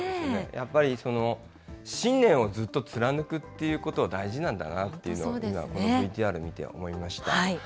やっぱり、信念をずっと貫くっていうことは、大事なんだなっていうのを、今、このＶＴＲを見て思いました。